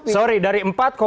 sorry dari empat enam